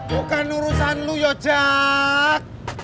bukan urusan lo yojak